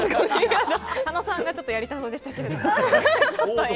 佐野さんがやりたそうでしたけど。